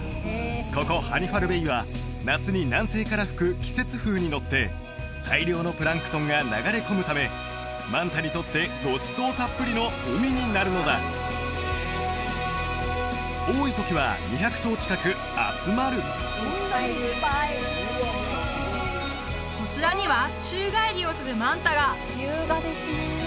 ここハニファルベイは夏に南西から吹く季節風にのって大量のプランクトンが流れ込むためマンタにとってごちそうたっぷりの海になるのだ多い時は２００頭近く集まるこちらには宙返りをするマンタが！